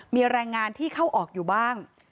มีแรงงานที่เข้าออกอยู่บ้าง